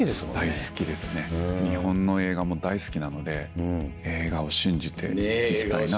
大好きですね日本の映画も大好きなので映画を信じていきたいなと。